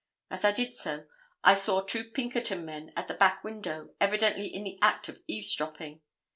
As I did so, I saw two Pinkerton men at the back window evidently in the act of eavesdropping.